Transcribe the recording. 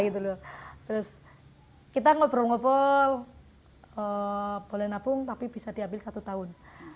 terus kita ngobrol ngobrol boleh nabung tapi bisa diambil satu tahun